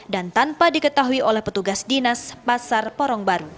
dan tanpa diketahui oleh petugas dinas pasar porong baru